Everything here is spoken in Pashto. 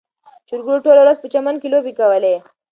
چرګوړو ټوله ورځ په چمن کې لوبې کولې.